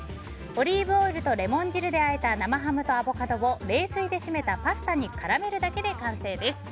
オリーブオイルとレモン汁であえた、生ハムとアボカドを冷水で締めたパスタに絡めるだけで完成です。